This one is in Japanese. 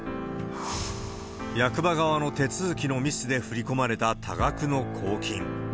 役場側の手続きのミスで振り込まれた多額の公金。